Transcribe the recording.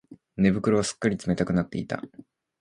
寝袋はすっかり冷たくなっていた